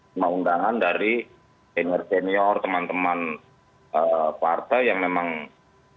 semua undangan dari senior senior teman teman partai yang memang sudah punya sejauh